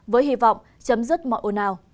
với hy vọng chấm dứt mọi ồn ào